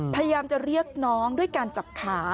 พยายามจะเรียกน้องด้วยการจับขา